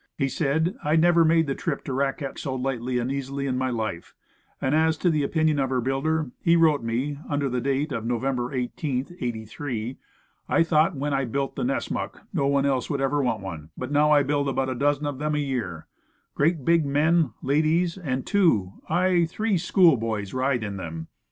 He said, "I never made the trip to the Raquette so lightly and easily in my life." And as to the present opinion of her builder, Mr. Rushton, of Canton, N. Y. He writes me, under date of Nov. 18, '83: "I thought when I built the Nessmuk, no one else would ever want one. But I now build about a dozen of them a year. Great big men, ladies, and two, aye, three schoolboys ride in them.